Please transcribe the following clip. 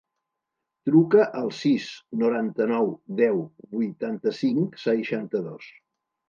Truca al sis, noranta-nou, deu, vuitanta-cinc, seixanta-dos.